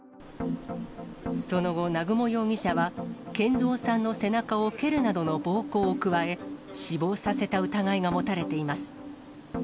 その後、南雲容疑者は、賢蔵さんの背中を蹴るなどの暴行を加え、死亡させた疑いが持たれています。